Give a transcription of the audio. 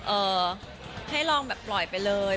ให้ลองแบบปล่อยไปเลย